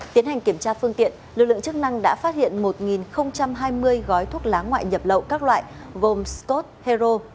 tiến hành kiểm tra phương tiện lực lượng chức năng đã phát hiện một hai mươi gói thuốc lá ngoại nhập lậu các loại gồm scott hero